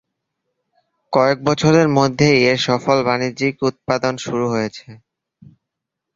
কয়েক বছরের মধ্যেই এর সফল বাণিজ্যিক উৎপাদন শুরু হয়েছে।